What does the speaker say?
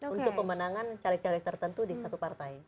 untuk pemenangan caleg caleg tertentu di satu partai